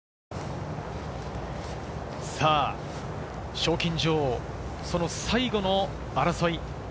賞金女王、その最後の争い。